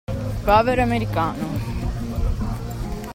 Povero americano!